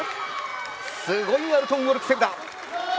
すごいアルトゥンオルク・セブダ。